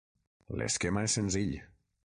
L'esquema és senzill.